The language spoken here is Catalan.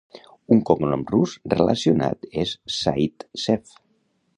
Un cognom rus relacionat és Zaytsev.